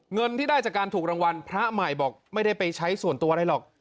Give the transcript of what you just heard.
เงินที่ได้จากการถูกรางวัลพระใหม่บอกไม่ได้ไปใช้ส่วนตัวอะไรหรอก